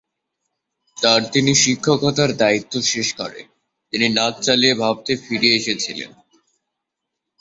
তার তিনি শিক্ষকতার দায়িত্ব শেষ করে, তিনি নাচ চালিয়ে ভারতে ফিরে এসেছিলেন।